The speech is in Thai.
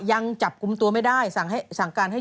ยังจับกลุ่มตัวไม่ได้สั่งการให้